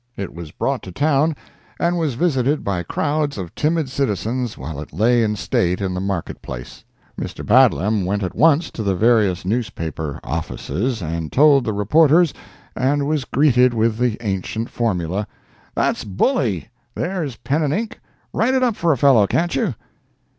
It was brought to town and was visited by crowds of timid citizens while it lay in state in the market place. Mr. Badlam went at once to the various newspaper offices and told the reporters, and was greeted with the ancient formula: "That's bully—there's pen and ink, write it up for a fellow, can't you?"